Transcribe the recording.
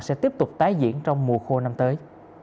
sẽ tiếp tục tái diễn trong mùa khô năm tới